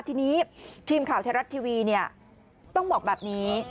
ทีนี้ทีมข่าวต้องบอกแบบนี้